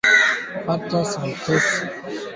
Mingine mitatu kutoka Kapchorwa